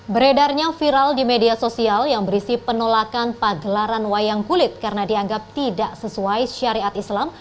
beredarnya viral di media sosial yang berisi penolakan pagelaran wayang kulit karena dianggap tidak sesuai syariat islam